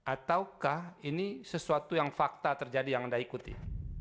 ataukah ini sesuatu yang fakta terjadi yang anda ikuti